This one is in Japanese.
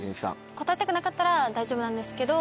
答えたくなかったら大丈夫なんですけど。